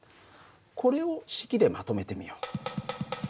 これを式でまとめてみよう。